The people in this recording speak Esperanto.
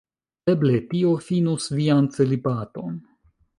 Eble tio finus vian celibaton.